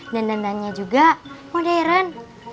dan dandannya juga modern